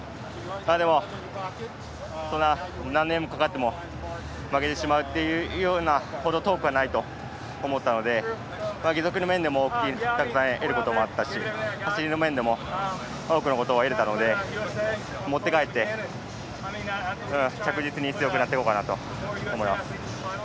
でも、何年かかっても負けてしまうようなほど遠くはないと思ったので義足の面でもたくさん得るものがあったし走りの面でも多くのことを得られたので持って帰って、着実に強くなっていこうかなと思います。